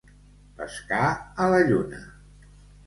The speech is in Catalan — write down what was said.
Pescar a la lluna.